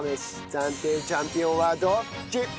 暫定チャンピオンはどっち！？